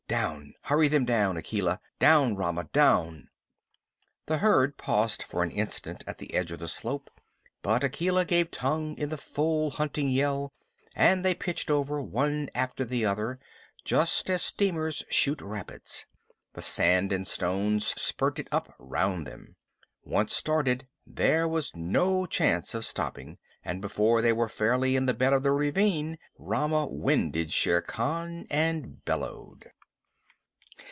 Down hurry them down, Akela! Down, Rama, down!" The herd paused for an instant at the edge of the slope, but Akela gave tongue in the full hunting yell, and they pitched over one after the other, just as steamers shoot rapids, the sand and stones spurting up round them. Once started, there was no chance of stopping, and before they were fairly in the bed of the ravine Rama winded Shere Khan and bellowed.